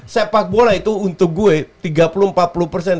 sepak bola itu untuk gue tiga puluh empat tahun